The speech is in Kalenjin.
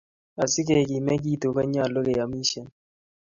Asi kegimegitu ko nyalu keyamishen